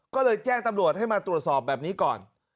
ก็เลยแจ้งตำรวจให้มาตรวจสอบแบบนี้ก่อน